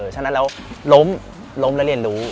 ฉะนั้นแล้วล้มล้มแล้วเรียนรู้